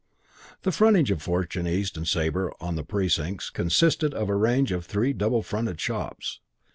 The frontage of Fortune, East and Sabre on The Precincts consisted of a range of three double fronted shops.